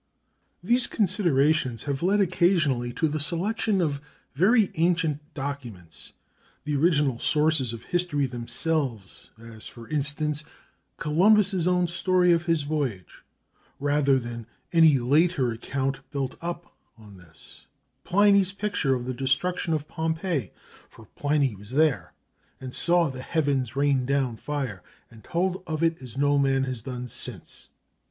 These considerations have led occasionally to the selection of very ancient documents, the original "sources" of history themselves, as, for instance, Columbus' own story of his voyage, rather than any later account built up on this; Pliny's picture of the destruction of Pompeii, for Pliny was there and saw the heavens rain down fire, and told of it as no man has done since.